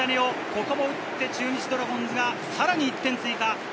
ここも打って、中日ドラゴンズがさらに１点追加。